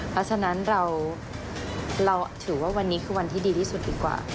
เพราะฉะนั้นเราถือว่าวันนี้คือวันที่ดีที่สุดดีกว่า